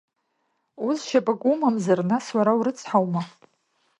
Узшьапык умамзар, нас уара урыцҳаума?